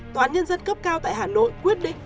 toán nhân dân cấp cao tại hà nội quyết định